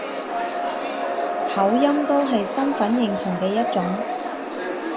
口音都係身份認同嘅一種